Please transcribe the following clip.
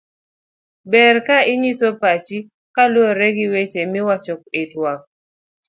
ber ka inyiso pachi kaluwore gi weche miwacho e twak